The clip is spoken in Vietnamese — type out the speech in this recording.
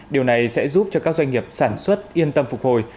điều này sẽ giúp cho các doanh nghiệp sản xuất yên tâm phục hồi